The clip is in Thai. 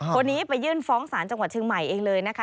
คนนี้ไปยื่นฟ้องศาลจังหวัดเชียงใหม่เองเลยนะคะ